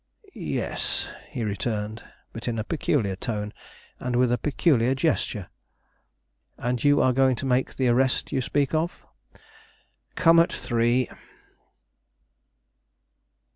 "Yes," he returned, but in a peculiar tone, and with a peculiar gesture. "And you are going to make the arrest you speak of?" "Come at three!"